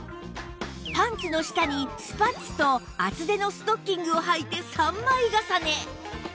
パンツの下にスパッツと厚手のストッキングをはいて３枚重ね